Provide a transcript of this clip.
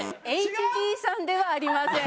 ＨＧさんではありません。